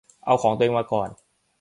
เอาของตัวเองมาก่อน